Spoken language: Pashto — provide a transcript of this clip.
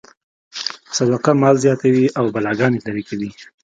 صدقه مال زیاتوي او بلاګانې لرې کوي.